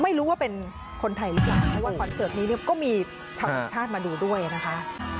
ไม่รู้ว่าเป็นคนไทยหรือเปล่าเพราะว่าคอนเสิร์ตนี้เนี่ยก็มีชาวต่างชาติมาดูด้วยนะคะ